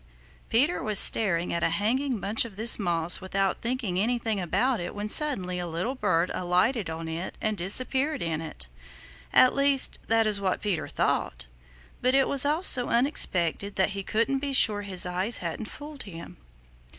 Peter was staring at a hanging branch of this moss without thinking anything about it when suddenly a little bird alighted on it and disappeared in it. At least, that is what Peter thought. But it was all so unexpected that he couldn't be sure his eyes hadn't fooled him.